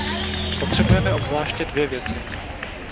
Potřebujeme obzvláště dvě věci.